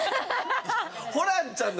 ホランちゃんの！